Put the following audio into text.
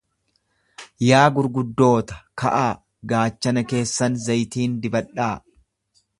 Yaa gurguddoota ka'aa, gaachana keessan zayitiin dibadhaa.